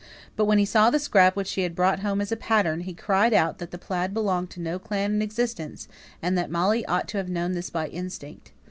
But when he saw the scrap which she had brought home as a pattern, he cried out that the plaid belonged to no clan in existence, and that Molly ought to have known this by instinct.